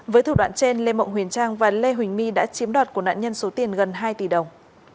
với thủ đoạn trên lê mộng huyền trang và lê huỳnh my đã chiếm đoạt của nạn nhân số tiền gần hai tỷ đồng